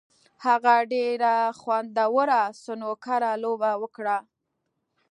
هغه ډېره خوندوره سنوکر لوبه وکړله.